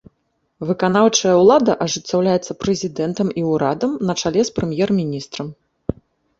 Выканаўчая ўлада ажыццяўляецца прэзідэнтам і ўрадам на чале з прэм'ер-міністрам.